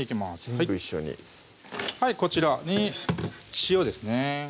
全部一緒にこちらに塩ですね